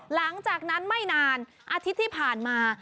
หลังจากนั้นไม่นานอาทิตย์ที่ผ่านมา